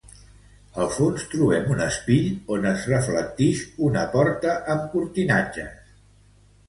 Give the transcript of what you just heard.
Al fons, trobem un espill on es reflectix una porta amb cortinatges.